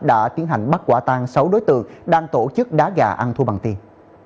đã tiến hành bắt quả tang sáu đối tượng đang tổ chức đá gà ăn thua bằng tiền